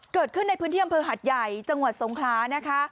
เกิดขึ้นในพื้นที่อำเภอหัดใหญ่จังหวัดสงคลานะคะ